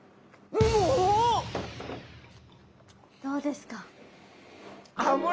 どうですか？